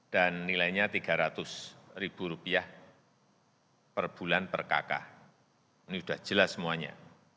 dan nilainya rp tiga ratus per bulan per kk ini sudah jelas semuanya